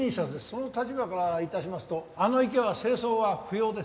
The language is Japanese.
その立場から致しますとあの池は清掃は不要です。